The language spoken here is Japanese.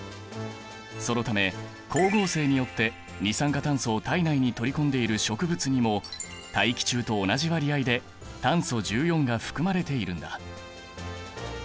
そのため光合成によって二酸化炭素を体内に取り込んでいる植物にも大気中と同じ割合で炭素１４が含まれているんだ。